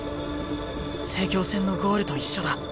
成京戦のゴールと一緒だ。